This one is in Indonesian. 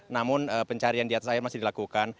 namun pencarian di atas saya masih dilakukan